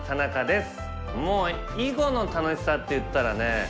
もう囲碁の楽しさっていったらね